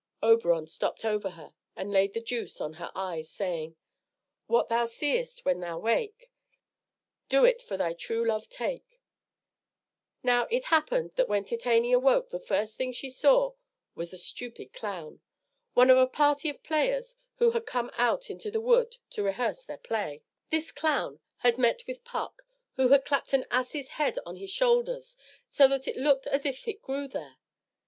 Oberon stopped over her and laid the juice on her eyes, saying: "What thou seest when thou wake, Do it for thy true love take;" Now, it happened that when Titania woke the first thing she saw was a stupid clown, one of a party of players who had come out into the wood to rehearse their play. This clown had met with Puck, who had clapped an ass's head on his shoulders so that it looked as if it grew there.